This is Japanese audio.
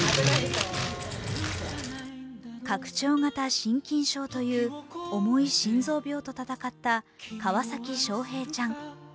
拡張型心筋症という重い心臓病と戦った川崎翔平ちゃん。